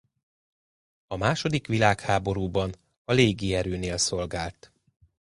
A második világháborúban a légierőnél szolgált.